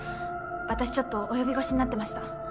私ちょっと及び腰になってました。